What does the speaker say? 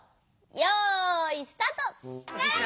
よいスタート！